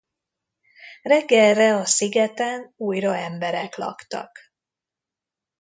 Reggelre a szigeten újra emberek laktak.